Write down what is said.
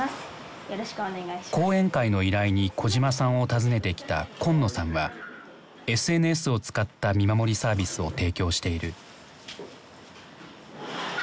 講演会の依頼に小島さんを訪ねてきた紺野さんはＳＮＳを使った見守りサービスを提供している。